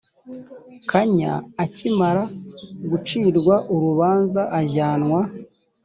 kanya akimara gucirwa urubanza ajyanwa